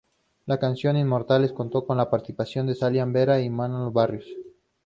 La canción Inmortales contó con la participación de Salim Vera y Manolo Barrios.